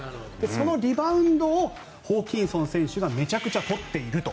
そのリバウンドをホーキンソン選手がめちゃくちゃ取っていると。